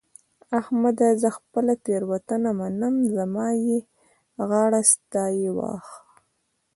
احمده! زه خپله تېرونته منم؛ زما يې غاړه ستا يې واښ.